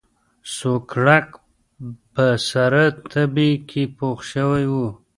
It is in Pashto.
سوکړک په سره تبۍ کې پوخ شوی و.